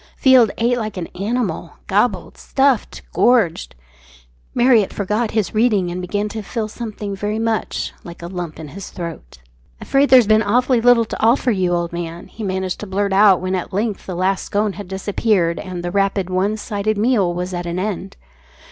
Field ate like an animal gobbled, stuffed, gorged. Marriott forgot his reading, and began to feel something very much like a lump in his throat. "Afraid there's been awfully little to offer you, old man," he managed to blurt out when at length the last scone had disappeared, and the rapid, one sided meal was at an end.